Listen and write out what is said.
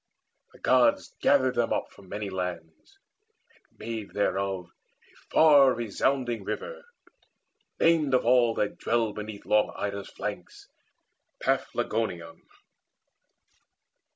The Gods Gathered them up from many lands, and made Thereof a far resounding river, named Of all that dwell beneath long Ida's flanks Paphlagoneion.